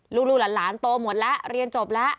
ลูกหลานโตหมดแล้วเรียนจบแล้ว